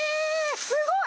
すごい！